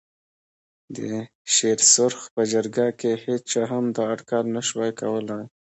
د شېر سرخ په جرګه کې هېچا هم دا اټکل نه شوای کولای.